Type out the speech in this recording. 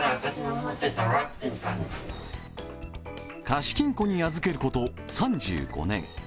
貸金庫に預けること３５年。